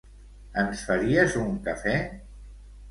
Ens faries un cafè?